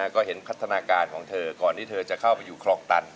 ก็เห็นพัฒนาการของเธอก่อนที่เธอจะเข้าไปอยู่คลองตัน